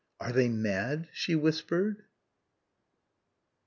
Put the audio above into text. "Are they mad?" she whispered.